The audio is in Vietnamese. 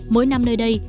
mỗi năm nơi đây